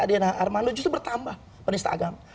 diana armando justru bertambah penista agama